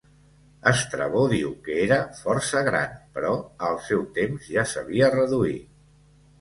Estrabó diu que era força gran però al seu temps ja s'havia reduït.